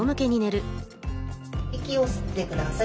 息を吸ってください。